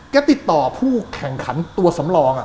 ติดต่อผู้แข่งขันตัวสำรอง